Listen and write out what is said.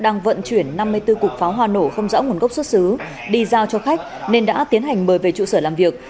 đang vận chuyển năm mươi bốn cục pháo hoa nổ không rõ nguồn gốc xuất xứ đi giao cho khách nên đã tiến hành mời về trụ sở làm việc